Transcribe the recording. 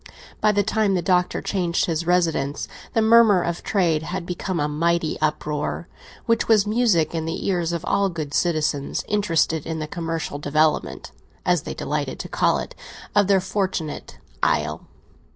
By the time the Doctor changed his residence the murmur of trade had become a mighty uproar, which was music in the ears of all good citizens interested in the commercial development, as they delighted to call it, of their fortunate isle.